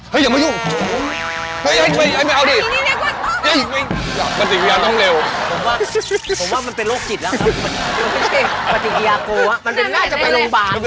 เฮ้ยอย่ามายุ่งเฮ้ยให้ไปให้ไปเอาสิ